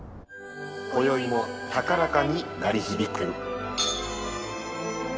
こよいも高らかに鳴り響く。